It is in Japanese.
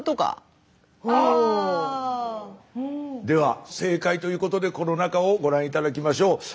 では正解ということでこの中をご覧頂きましょう。